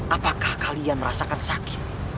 apakah kalian merasakan sakit